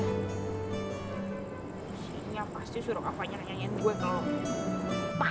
si nya pasti suruh kak fanya nyenyakin gue kalo